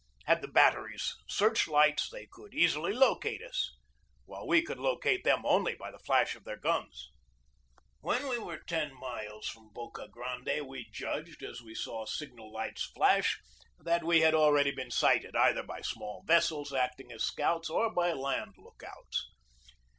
Had the bat teries search lights they could easily locate us, while we could locate them only by the flash of their guns. When we were ten miles from Boca Grande we judged, as we saw signal lights flash, that we had already been sighted either by small vessels acting as scouts or by land lookouts.